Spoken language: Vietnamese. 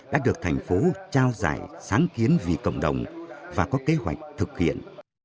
đã được thành phố trao giải sáng kiến vì cộng đồng và có kế hoạch thực hiện